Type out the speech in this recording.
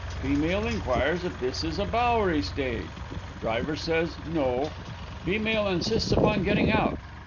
Female inquires if this is a Bowery stage. Driver says no. Female insists upon getting out.